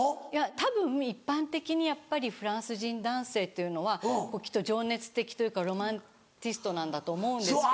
たぶん一般的にやっぱりフランス人男性っていうのはきっと情熱的というかロマンチストなんだと思うんですけれども。